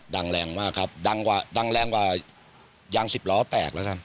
ดังแรงมากครับดังแรงกว่ายางสิบล้อแตกแล้วครับ